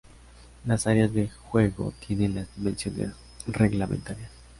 Las áreas de juego tienen las dimensiones reglamentarias.